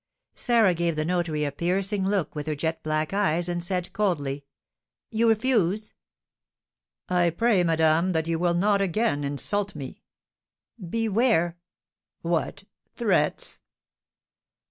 Sarah gave the notary a piercing look with her jet black eyes, and said, coldly: "You refuse?" "I pray, madame, that you will not again insult me." "Beware!" "What! Threats?"